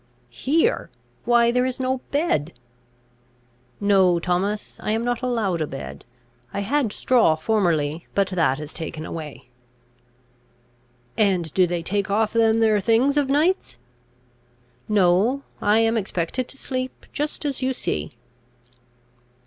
"Here? Why there is no bed!" "No, Thomas, I am not allowed a bed. I had straw formerly, but that is taken away." "And do they take off them there things of nights?" "No; I am expected to sleep just as you see."